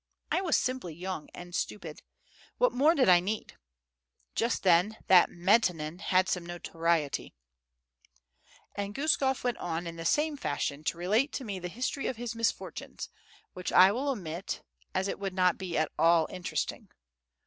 I was simply young and stupid. What more did I need? Just then that Metenin had some notoriety " And Guskof went on in the same fashion to relate to me the history of his misfortunes, which I will omit, as it would not be at all interesting.